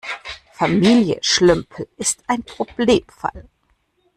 Familie Schlömpel ist ein Problemfall.